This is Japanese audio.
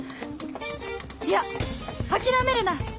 いや諦めるな！